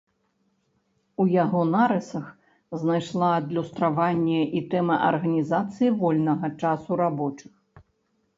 У яго нарысах знайшла адлюстраванне і тэма арганізацыі вольнага часу рабочых.